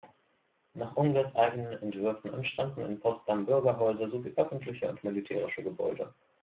Nach Ungers eigenen Entwürfen entstanden in Potsdam Bürgerhäuser sowie öffentliche und militärische Gebäude.